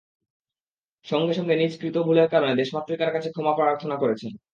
সঙ্গে সঙ্গে নিজ কৃত ভুলের কারণে দেশমাতৃকার কাছে ক্ষমা প্রার্থনা করেছেন।